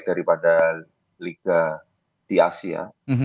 daripada liga di asia